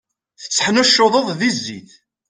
Tetteḥnuccuḍeḍ di zzit.